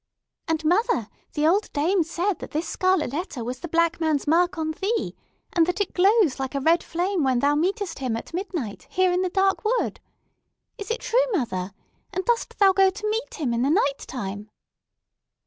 And, mother, the old dame said that this scarlet letter was the Black Man's mark on thee, and that it glows like a red flame when thou meetest him at midnight, here in the dark wood. Is it true, mother? And dost thou go to meet him in the nighttime?"